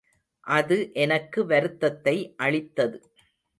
அது எனக்கு வருத்தத்தை அளித்தது.